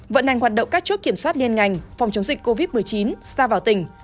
vận hành hoạt động các chốt kiểm soát liên ngành phòng chống dịch covid một mươi chín xa vào tỉnh